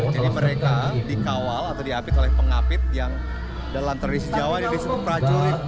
jadi mereka dikawal atau diapit oleh pengapit yang dalam tradisi jawa ini disebut prajurit